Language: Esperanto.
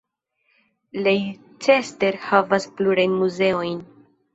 Leicester havas plurajn muzeojn.